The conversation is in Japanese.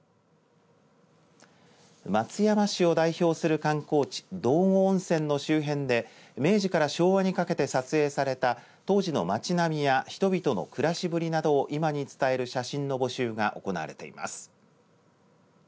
松山市を代表する観光地道後温泉の周辺で明治から昭和にかけて撮影された当時の町並みや人々の暮らしぶりなどを今に伝える写真の募集が行われています。